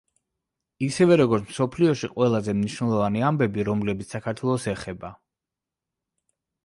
ისევე როგორც, მსოფლიოში ყველაზე მნიშვნელოვანი ამბები, რომლებიც საქართველოს ეხება.